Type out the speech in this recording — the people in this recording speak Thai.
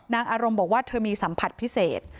อารมณ์บอกว่าเธอมีสัมผัสพิเศษ